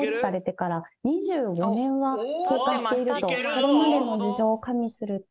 これまでの事情を加味すると。